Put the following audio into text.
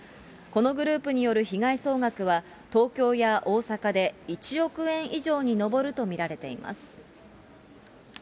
このグループによる被害総額は、東京や大阪で１億円以上に上ると見られています。